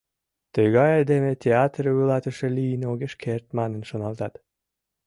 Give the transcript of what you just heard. Тыгай айдеме театр вуйлатыше лийын огеш керт манын шоналтат.